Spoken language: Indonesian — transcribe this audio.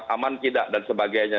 aman tidak dan sebagainya